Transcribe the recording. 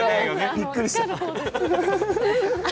びっくりした。